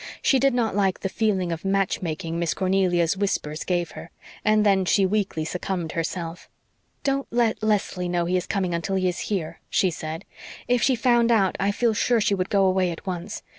She did not like the feeling of match making Miss Cornelia's whispers gave her; and then she weakly succumbed herself. "Don't let Leslie know he is coming until he is here," she said. "If she found out I feel sure she would go away at once.